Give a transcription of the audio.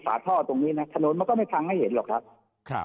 ฝาท่อตรงนี้นะถนนมันก็ไม่พังให้เห็นหรอกครับครับ